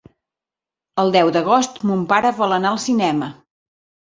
El deu d'agost mon pare vol anar al cinema.